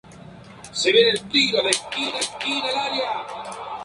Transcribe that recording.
El sistema escolar suizo es cantonal.